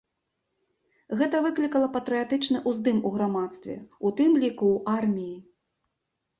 Гэта выклікала патрыятычны ўздым у грамадстве, у тым ліку ў арміі.